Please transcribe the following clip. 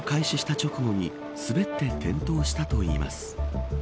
男性は、下山を開始した直後に滑って転落したといいます。